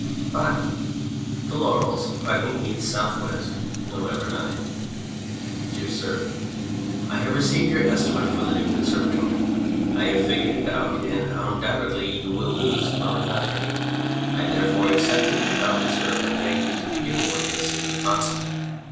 V The Laurels, Putney Heath, S.U r . November 9. DEAR SIR, I have received your estimate for the new conservatory ; I have figured it out and undoubtedly you will lose upon the contract. J therefore accept it without reserve and beg you to begin work as soon as possible.